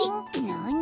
なに？